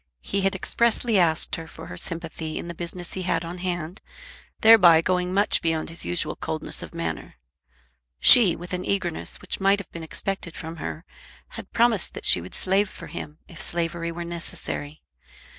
He had expressly asked her for her sympathy in the business he had on hand, thereby going much beyond his usual coldness of manner. She, with an eagerness which might have been expected from her, had promised that she would slave for him, if slavery were necessary.